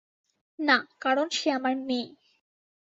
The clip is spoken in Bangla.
না, কারণ সে আমার মেয়ে।